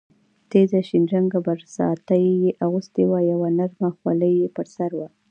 تېزه شین رنګه برساتۍ یې اغوستې وه، یوه نرمه خولۍ یې پر سر وه.